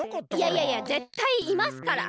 いやいやぜったいいますから。